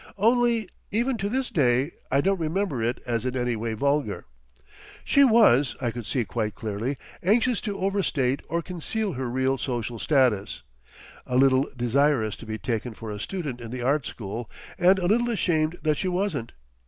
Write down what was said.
Only—even to this day—I don't remember it as in any way vulgar. She was, I could see quite clearly, anxious to overstate or conceal her real social status, a little desirous to be taken for a student in the art school and a little ashamed that she wasn't.